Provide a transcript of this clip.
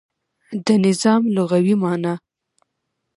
د نظام لغوی معنا